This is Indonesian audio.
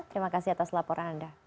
terima kasih atas laporan anda